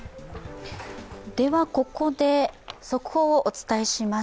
では、ここで速報をお伝えします